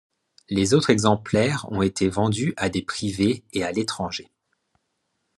Les autres exemplaires ont été vendus à des privés et à l'étranger.